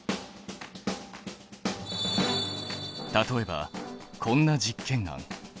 例えばこんな実験案。